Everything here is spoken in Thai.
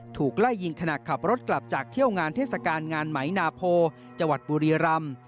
ถูกไล่ยิงขณะขับรถกลับจากเที่ยวงานเทศกาลงานไหมนาโพจังหวัดบุรีรำ